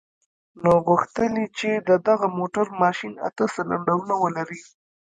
نو غوښتل يې چې د دغه موټر ماشين اته سلنډرونه ولري.